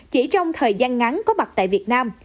chỉ trong thời gian ngắn có mặt tại việt nam